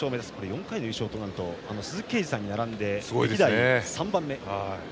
４回の優勝となると鈴木桂治さんに並び歴代３番目。